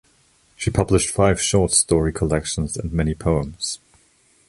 She published five short story collections and many poems.